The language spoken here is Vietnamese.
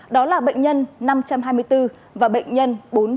đó là bệnh nhân năm trăm hai mươi bốn và bệnh nhân bốn trăm bảy mươi năm